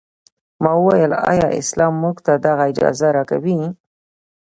ما وویل ایا اسلام موږ ته دغه اجازه راکوي.